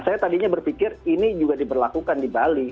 saya tadinya berpikir ini juga diberlakukan di bali